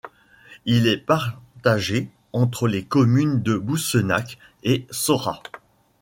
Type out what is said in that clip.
Il est partagé entre les communes de Boussenac et Saurat.